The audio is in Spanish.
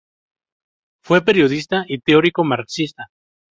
Fue periodista y teórico marxista.